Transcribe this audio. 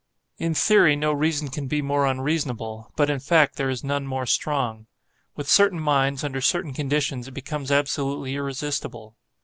In theory, no reason can be more unreasonable, but, in fact, there is none more strong. With certain minds, under certain conditions, it becomes absolutely irresistible.